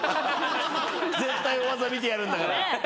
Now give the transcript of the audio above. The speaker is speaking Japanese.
絶対大技見てやるんだから。